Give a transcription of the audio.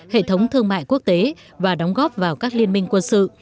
hệ thống thương mại quốc tế và đóng góp vào các liên minh quân sự